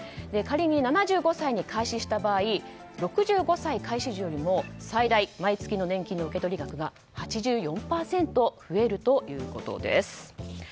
仮に７５歳に開始した場合６５歳開始時よりも最大、毎月の年金の受取額が８４％増えるということです。